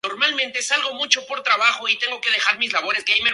El clima es fresco en verano y frío en invierno.